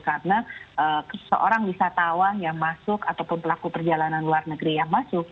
karena seorang wisatawan yang masuk ataupun pelaku perjalanan luar negeri yang masuk